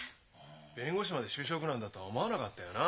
弁護士まで就職難だとは思わなかったよな。